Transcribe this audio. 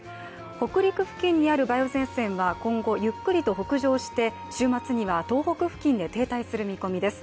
北陸付近にある梅雨前線は今後ゆっくり北上して、週末には東北付近で停滞する見込みです。